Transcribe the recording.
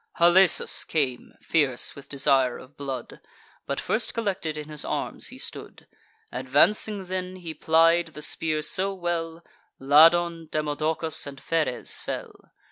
Halesus came, fierce with desire of blood; But first collected in his arms he stood: Advancing then, he plied the spear so well, Ladon, Demodocus, and Pheres fell.